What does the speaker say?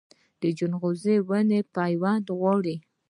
د ځنغوزي ونې پیوند غواړي؟